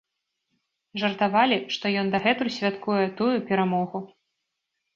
Жартавалі, што ён дагэтуль святкуе тую перамогу.